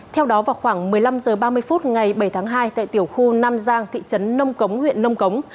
theo đó vào khoảng một mươi năm h ba mươi phút ngày bảy tháng hai tại tiểu khu nam giang thị trấn nông cống huyện nông cống